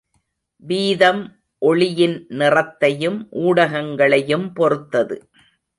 வீதம் ஒளியின் நிறத்தையும் ஊடகங்களையும் பொறுத்தது.